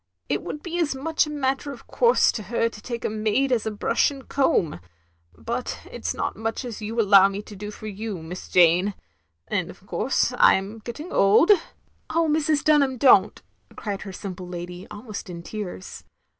" It would be as much a matter of course to her to take a maid as a brush and comb. But it 's not much as you allow me to do for you, Miss Jane; and of course I *m getting old —" "Oh Mrs. Dtmham, don't," cried her simple lady, almost in tears.